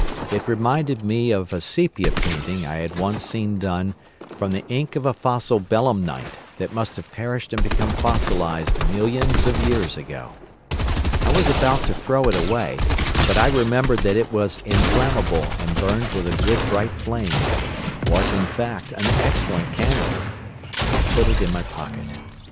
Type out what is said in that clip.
It reminded me of a sepia painting I had once seen done from the ink of a fossil Belemnite that must have perished and become fossilised millions of years ago. I was about to throw it away, but I remembered that it was inflammable and burnt with a good bright flame—was, in fact, an excellent candle—and I put it in my pocket.